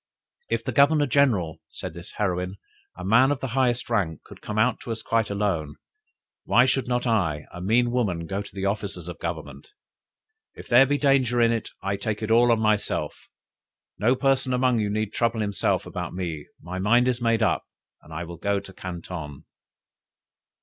"If the Governor general," said this heroine, "a man of the highest rank, could come to us quite alone, why should not I, a mean woman, go to the officers of Government? If there be danger in it, I take it all on myself; no person among you need trouble himself about me my mind is made up, and I will go to Canton!"